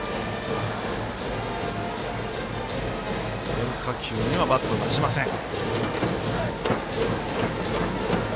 変化球にはバットを出しません。